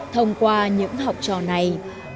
thông qua những học trò này